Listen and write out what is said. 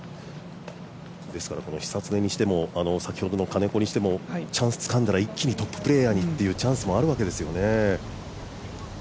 ですから久常にしてもさっきの金子にしても、チャンス、つかんだら一気にトッププレーヤーにということもあるわけですね。